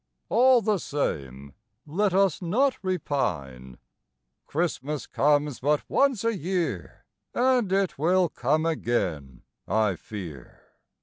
All the same, Let us not repine: Christmas comes but once a year, And it will come again, I fear.